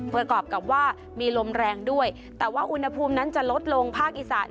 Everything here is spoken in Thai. ประกอบกับว่ามีลมแรงด้วยแต่ว่าอุณหภูมินั้นจะลดลงภาคอีสาน